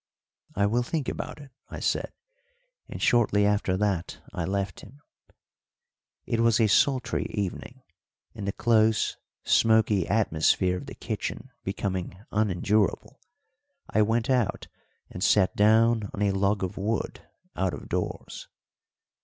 "I will think about it," I said, and shortly after that I left him. It was a sultry evening, and, the close, smoky atmosphere of the kitchen becoming unendurable, I went out and sat down on a log of wood out of doors.